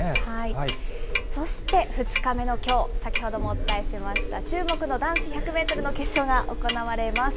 そして、２日目のきょう、先ほどもお伝えしました、注目の男子１００メートルの決勝が行われます。